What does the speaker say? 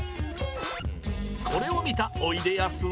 これを見たおいでやすは？